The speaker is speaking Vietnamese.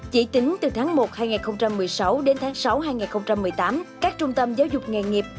chỉ tính từ tháng một hai nghìn một mươi sáu đến tháng sáu hai nghìn một mươi tám các trung tâm giáo dục nghề nghiệp